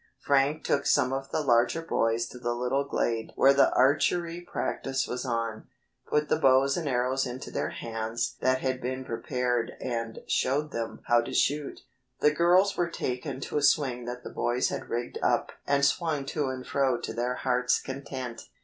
Frank took some of the larger boys to the little glade where the archery practice was on, put the bows and arrows into their hands that had been prepared and showed them how to shoot. The girls were taken to a swing that the boys had rigged up and swung to and fro to their hearts' content.